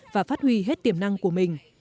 và phát huy hết tiềm năng của mình